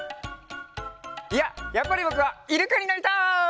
いややっぱりぼくはイルカになりたい。